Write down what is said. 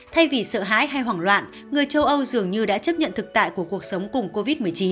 thay vì sợ hãi hay hoảng loạn người châu âu dường như đã chấp nhận thực tại của cuộc sống cùng covid một mươi chín